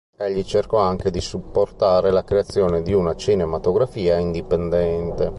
Egli cercò anche di supportare la creazione di una cinematografia indipendente.